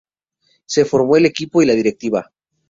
Se formó el equipo y la Directiva.